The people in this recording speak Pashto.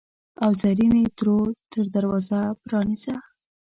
او زرینې ترور ته دروازه پرانیزه!